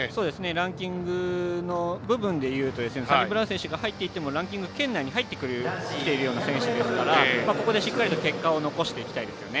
ランキングの部分でいうとサニブラウン選手が入っていても、ランキング圏内に入ってきている選手ですからここでしっかりと結果を残していきたいですよね。